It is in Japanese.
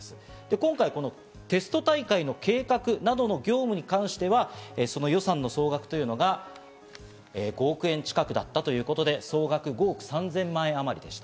今回テスト大会の計画などの業務に関しては、その予算の総額というのが５億円近くだったということで、総額５億３０００万円あまりでした。